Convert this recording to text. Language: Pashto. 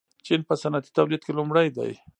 چین په صنعتي تولید کې لومړی دی.